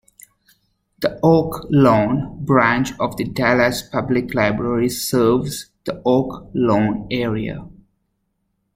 The Oak Lawn Branch of the Dallas Public Library serves the Oak Lawn area.